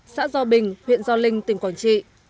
xã gio bình huyện gio linh tỉnh quảng trị